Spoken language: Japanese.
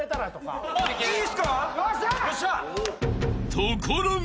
［ところが］